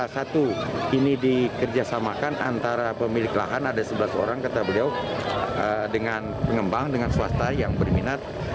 satu ini dikerjasamakan antara pemilik lahan ada sebelas orang kata beliau dengan pengembang dengan swasta yang berminat